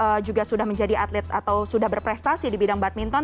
karena juga sudah menjadi atlet atau sudah berprestasi di bidang badminton